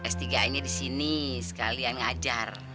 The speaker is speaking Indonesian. s tiga nya di sini sekalian ngajar